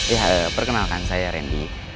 ya perkenalkan saya randy